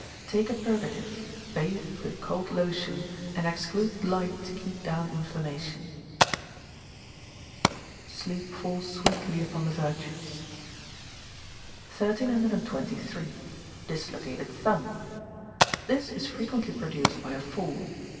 Take a purgative, bathe with cold lotion, and exclude light to keep down inflammation. [SLEEP FALLS SWEETLY UPON THE VIRTUOUS.] 1323. Dislocated Thumb. This is frequently produced by a fall.